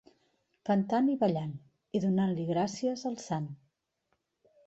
Cantant i ballant i donant-li gràcies al sant.